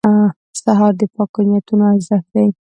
سهار د پاکو نیتونو ارزښت دی.